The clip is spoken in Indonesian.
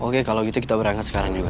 oke kalau gitu kita berangkat sekarang juga